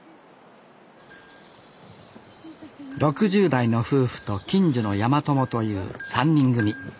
６０代の夫婦と近所の山友という３人組。